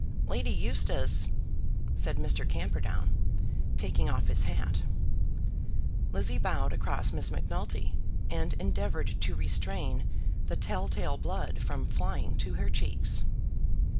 "Lady Eustace!" said Mr. Camperdown, taking off his hat. Lizzie bowed across Miss Macnulty, and endeavoured to restrain the tell tale blood from flying to her cheeks.